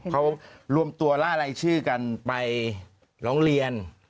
เขารวมตัวล่ารายชื่อกันไปร้องเรียน